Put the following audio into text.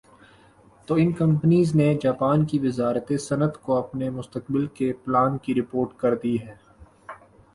تو ان کمپنیز نےجاپان کی وزارت صنعت کو اپنے مستقبل کے پلان کی رپورٹ کر دی ھے